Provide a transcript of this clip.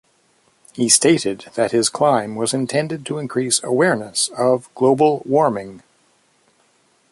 He stated that his climb was intended to increase awareness of global warming.